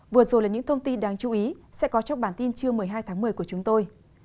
vừa rồi là những thông tin đáng chú ý sẽ có trong bản tin trưa một mươi hai tháng một mươi của chúng tôi